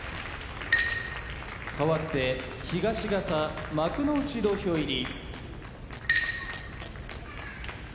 かわって東方幕内土俵入り。